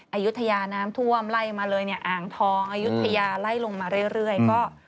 อายุทยาน้ำท่วมไล่มาเลยเนี่ยอ่างทองอายุทยาไล่ลงมาเรื่อยก็